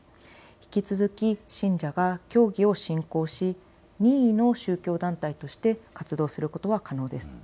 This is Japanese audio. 引き続き信者が教義を信仰し任意の宗教団体として活動することは可能です。